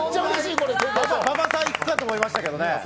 馬場さんいくかと思いましたけどね。